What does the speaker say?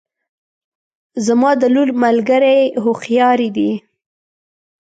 زما د لور ملګرې هوښیارې دي